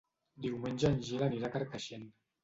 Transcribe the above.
Diumenge en Gil anirà a Carcaixent.